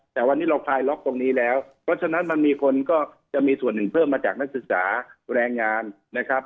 แต่วันนี้เราคลายล็อกตรงนี้แล้วเพราะฉะนั้นมันมีคนก็จะมีส่วนหนึ่งเพิ่มมาจากนักศึกษาแรงงานนะครับ